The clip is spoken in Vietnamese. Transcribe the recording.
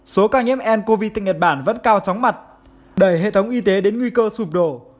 số ca nhiễm ncov tại nhật bản vẫn cao chóng mặt đẩy hệ thống y tế đến nguy cơ sụp đổ